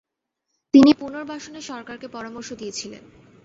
তিনি পুনর্বাসনে সরকারকে পরামর্শ দিয়েছিলেন।